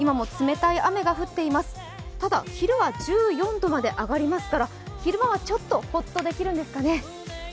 ただ、昼は１４度まで上がりますから昼間はちょっとホッとできるんですかね。